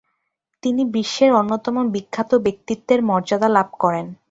তিনি বিশ্বের অন্যতম বিখ্যাত ব্যক্তিত্বের মর্যাদা লাভ করেন।